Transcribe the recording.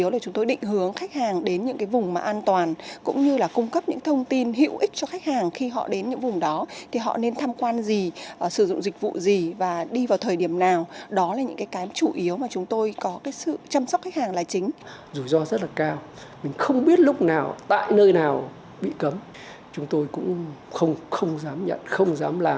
mình không biết lúc nào tại nơi nào bị cấm chúng tôi cũng không dám nhận không dám làm